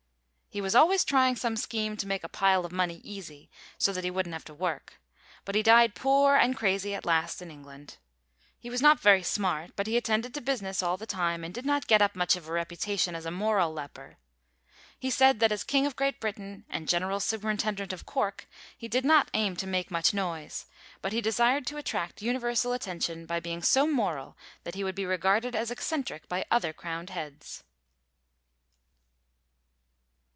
He was always trying some scheme to make a pile of money easy, so that he wouldn't have to work; but he died poor and crazy at last, in England. He was not very smart, but he attended to business all the time, and did not get up much of a reputation as a moral leper. He said that as king of Great Britain and general superintendent of Cork he did not aim to make much noise, but he desired to attract universal attention by being so moral that he would be regarded as eccentric by other crowned heads.